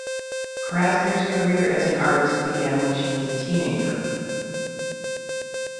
Krasner's career as an artist began when she was a teenager.